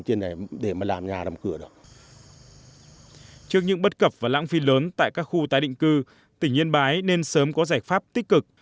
trước những bất cập và lãng phí lớn tại các khu tái định cư tỉnh yên bái nên sớm có giải pháp tích cực